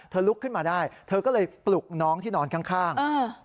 ลุกขึ้นมาได้เธอก็เลยปลุกน้องที่นอนข้างข้าง